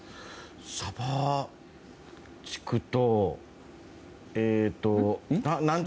サバ地区と。